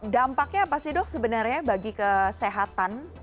dampaknya apa sih dok sebenarnya bagi kesehatan